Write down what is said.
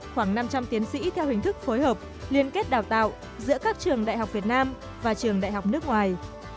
khoảng năm trăm linh tiến sĩ theo hình thức phối hợp liên kết đào tạo giữa các trường đại học việt nam và trường đại học nước ngoài